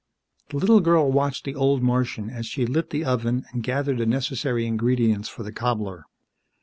The little girl watched the old Martian as she lit the oven and gathered the necessary ingredients for the cobbler.